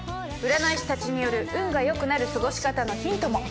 占い師たちによる運が良くなる過ごし方のヒントも。